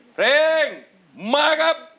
เพลงมาครับ